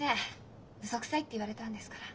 ウソくさいって言われたんですから。